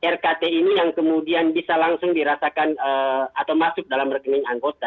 rkt ini yang kemudian bisa langsung dirasakan atau masuk dalam rekening anggota